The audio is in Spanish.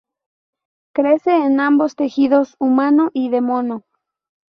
Crece en ambos tejidos, humano y de mono.